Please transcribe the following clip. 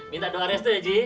minta doa restu ya ji